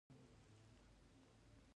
د میز له پاسه یو کتاب پرېوت.